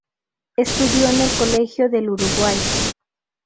Estudió en el Colegio del Uruguay.